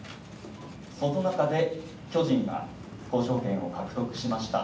その中で巨人が交渉権を獲得しました。